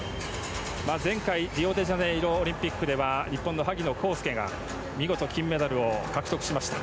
前回、リオデジャネイロオリンピックでは日本の萩野公介が見事、金メダルを獲得しました。